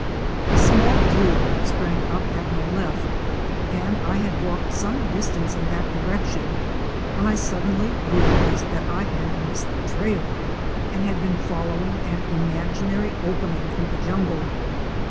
A small deer sprang up at my left, and I had walked some distance in that direction when I suddenly realized that I had missed the trail, and had been following an imaginary open ing through the jungle.